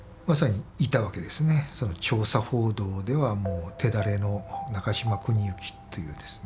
調査報道では手だれの中島邦之というですね。